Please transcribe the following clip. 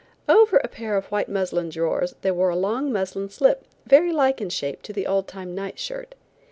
Over a pair of white muslin drawers they wore a long muslin slip very like in shape to the old time night shirt.